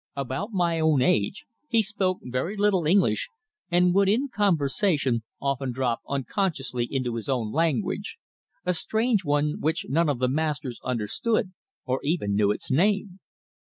About my own age, he spoke very little English and would, in conversation, often drop unconsciously into his own language, a strange one which none of the masters understood or even knew its name.